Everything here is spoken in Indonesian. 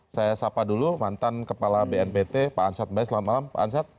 saya sapa dulu mantan kepala bnpt pak ansat baik selamat malam pak ansat